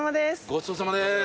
ごちそうさまです。